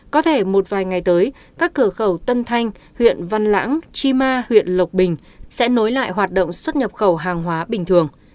có thể một vài ngày tới các cửa khẩu tân thanh huyện văn lãng chi ma huyện lộc bình sẽ nối lại hoạt động xuất nhập khẩu hàng hóa bình thường